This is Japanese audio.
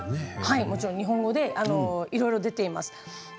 日本語でいろいろ出ています。